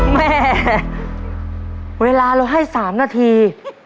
เวลาเราให้๓นาที